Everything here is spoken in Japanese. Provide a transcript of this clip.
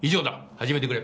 始めてくれ。